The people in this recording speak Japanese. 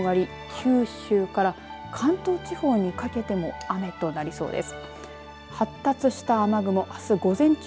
九州から関東地方にかけても雨となりそうです。